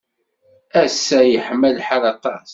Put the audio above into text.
Ass-a yeḥma lḥal aṭas.